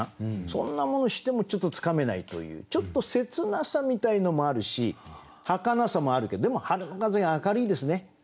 そんなものしてもちょっとつかめないというちょっと切なさみたいのもあるしはかなさもあるけどでも「春の風」が明るいですね。